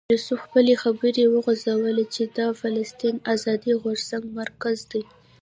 یوسف خپلې خبرې وغځولې چې دا د فلسطین د آزادۍ غورځنګ مرکز دی.